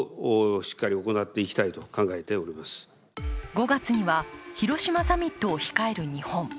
５月には広島サミットを控える日本。